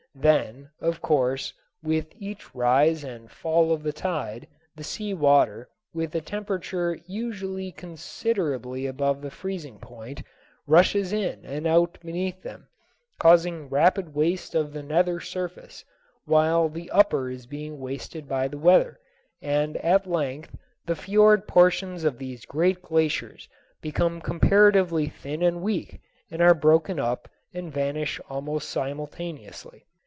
Then, of course, with each rise and fall of the tide, the sea water, with a temperature usually considerably above the freezing point, rushes in and out beneath them, causing rapid waste of the nether surface, while the upper is being wasted by the weather, until at length the fiord portions of these great glaciers become comparatively thin and weak and are broken up and vanish almost simultaneously.